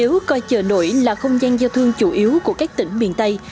nếu coi chợ nổi là không gian giao thương chủ yếu của các tỉnh miền tây